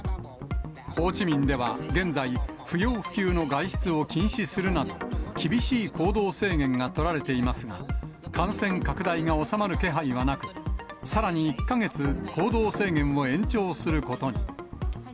ホーチミンでは現在、不要不急の外出を禁止するなど、厳しい行動制限が取られていますが、感染拡大が収まる気配はなく、さらに１か月、行動制限を延長することに。